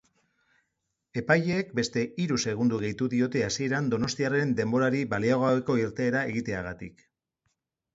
Epaileek beste hiru segundo gehitu diote hasieran donostiarren denborari baliogabeko irteera egiteagatik.